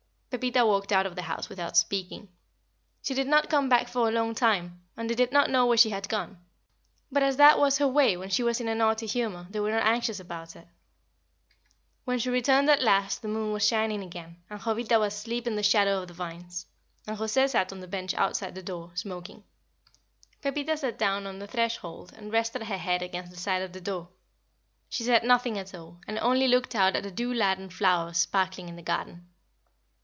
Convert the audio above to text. Pepita walked out of the house without speaking. She did not come back for a long time, and they did not know where she had gone; but as that was her way when she was in a naughty humor, they were not anxious about her. When she returned at last the moon was shining again, and Jovita was asleep in the shadow of the vines, and José sat on the bench outside the door, smoking. [Illustration: Pepita sat down on the threshold 115] Pepita sat down on the threshold and rested her head against the side of the door. She said nothing at all, and only looked out at the dew laden flowers sparkling in the garden.